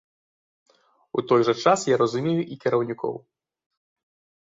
У той жа час я разумею і кіраўнікоў.